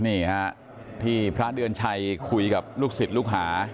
นี่ฮะที่พระเดือนชัยคุยกับลูกศิษย์ลูกหา